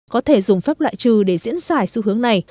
có thể dùng pháp loại trừ để diễn xảy xu hướng này